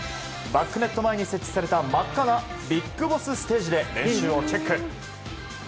バックネット前に設置された真っ赤なビッグボスステージで練習をチェック。